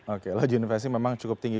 oke laju inflasi memang cukup tinggi